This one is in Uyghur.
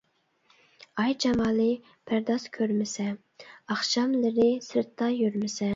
ئاي جامالى پەرداز كۆرمىسە، ئاخشاملىرى سىرتتا يۈرمىسە.